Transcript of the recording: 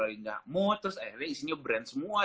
gak mood terus akhirnya isinya brand semua